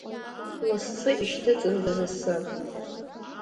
Лассы ишьҭыҵындаз асы!